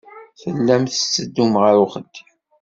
Tellam tetteddum ɣer uxeddim.